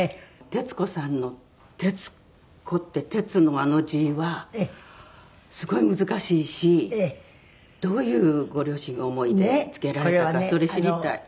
徹子さんの「徹子」って「徹」のあの字はすごい難しいしどういうご両親の思いで付けられたかそれ知りたい。